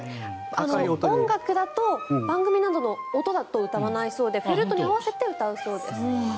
音楽だと番組などの歌だと歌わないそうでフルートに合わせて歌うそうです。